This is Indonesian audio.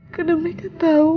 karena mereka tahu